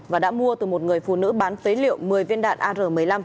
và đã mua từ một người phụ nữ bán phế liệu một mươi viên đạn ar một mươi năm